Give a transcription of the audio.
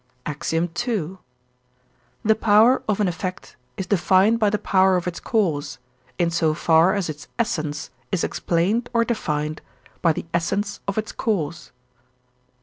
II. The power of an effect is defined by the power of its cause, in so far as its essence is explained or defined by the essence of its cause.